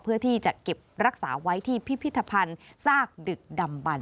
เพื่อที่จะเก็บรักษาไว้ที่พิพิธภัณฑ์ซากดึกดำบัน